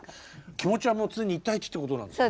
気持ちはもう常に１対１ってことなんですか？